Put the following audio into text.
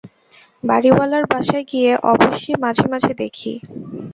বাড়িওয়ালার বাসায় গিয়ে অবশ্যি মাঝে মাঝে দেখি।